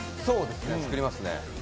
作りますね。